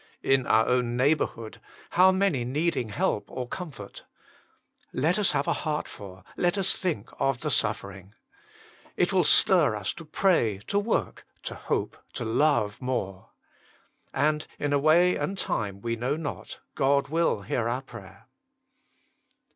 In our own neighbourhood, how many needing help or comfort. Let us have a heart for, let us think of the suffering. It will stir us to pray, to work, to hope, to love more. And in a way and time we know not God will hear our prayer.